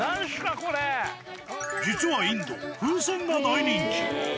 実はインド、風船が大人気。